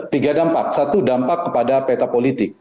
tiga dampak satu dampak kepada peta politik